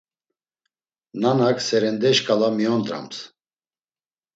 Nanak serende şkala miyondrams.